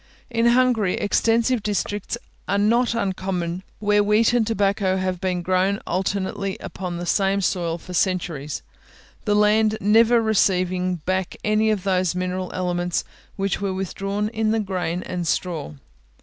In Hungary, extensive districts are not uncommon where wheat and tobacco have been grown alternately upon the same soil for centuries, the land never receiving back any of those mineral elements which were withdrawn in the grain and straw.